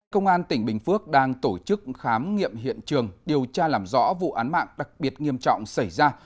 công an tỉnh bình phước đang tổ chức khám nghiệm hiện trường điều tra làm rõ vụ án mạng đặc biệt nghiêm trọng xảy ra